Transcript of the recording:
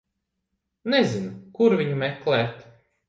Nezinu, kur viņu meklēt.